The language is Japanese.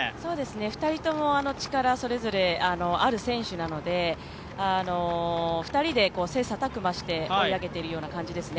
２人とも力、それぞれある選手なので、２人で切磋琢磨して追い上げているような感じですね。